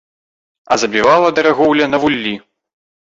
А забівала дарагоўля на вуллі.